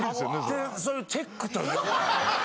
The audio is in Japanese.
立ってそれをチェックというか。